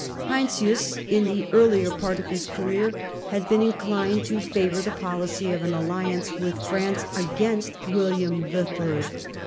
Heinsius, in the earlier part of his career, had been inclined to favor the policy of an alliance with France against William the Third.